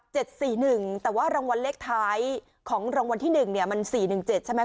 หนึ่งแต่ว่ารางวัลเลขท้ายของรางวัลที่หนึ่งเนี่ยมันสี่หนึ่งเจ็ดใช่ไหม